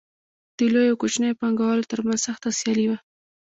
د لویو او کوچنیو پانګوالو ترمنځ سخته سیالي وه